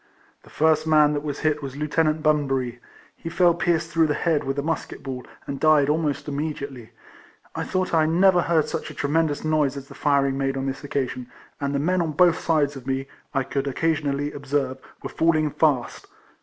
The first man that was hit was Lieuten ant Bunbury; he fell pierced through the head with a musket ball, and died almost immediately. I thought I never heard such a tremendous noise as the firing made on this occasion, and the men on both sides of 40 RECOLLECTIONS OF me, I could occasionally observe, were fall ing fast.